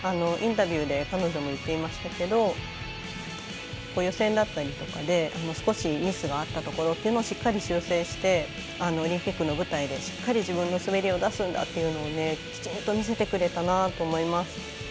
インタビューで彼女も言っていましたけど予選だったりとかで少しミスがあったところとかをしっかり修正してオリンピックの舞台でしっかり自分の滑りを出すんだときちんと見せてくれたなと思います。